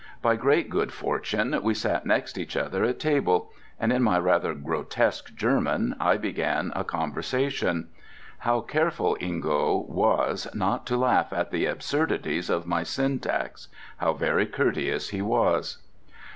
By great good fortune we sat next each other at table, and in my rather grotesque German I began a conversation. How careful Ingo was not to laugh at the absurdities of my syntax! How very courteous he was!